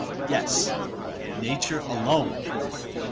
Yes, nature alone!